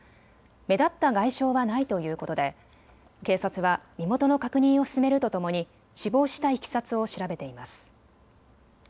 目立った外傷はないということで警察は身元の確認を進めるとともに死亡したいきさつを調べています。